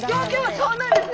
そうなんですね！